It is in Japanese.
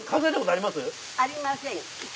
ありません。